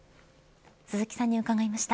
鈴木さんに伺いました。